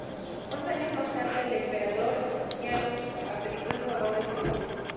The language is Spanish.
Once años más tarde, el emperador Qianlong abdicó en favor de su hijo.